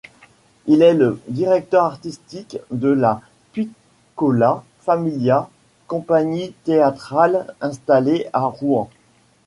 Il est le directeur artistique de La Piccola Familia, compagnie théâtrale installée à Rouen.